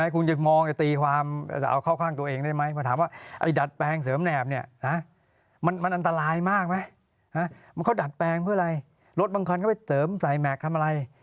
ก็ไปเติมใส่แมลกทำอะไร